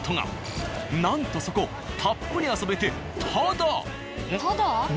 なんとそこたっぷり遊べてタダ。